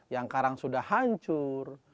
yang karang sudah hancur